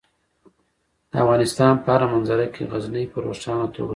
د افغانستان په هره منظره کې غزني په روښانه توګه ښکاري.